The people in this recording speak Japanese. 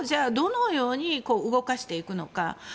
じゃあ、どう動かしていくのか。